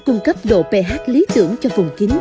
cung cấp độ ph lý tưởng cho vùng kính